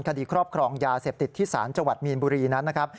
คดีครอบครองยาเสพติดที่ศาลจังหวัดมีนบุรีนั้นนะครับ